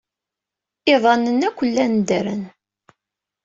Iḍan-nni akk llan ddren.